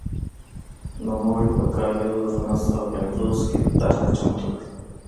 نوموړي په کال یو زر نهه سوه پنځوس کې طرحه چمتو کړه.